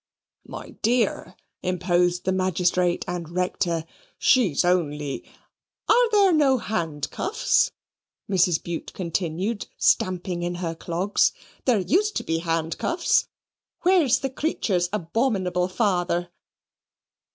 "My dear," interposed the Magistrate and Rector "she's only " "Are there no handcuffs?" Mrs. Bute continued, stamping in her clogs. "There used to be handcuffs. Where's the creature's abominable father?"